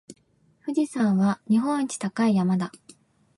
富士山は日本一高い山だ。